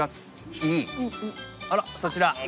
あらそちら。